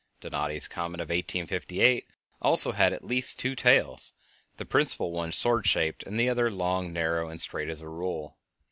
Donati's comet of 1858 also had at least two tails, the principal one sword shaped and the other long, narrow, and as straight as a rule.